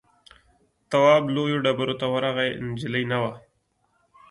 تواب لویو ډبرو ته ورغی نجلۍ نه وه.